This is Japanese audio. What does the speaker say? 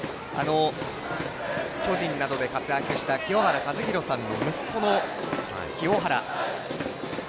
巨人などで活躍した清原和博さんの息子の清原。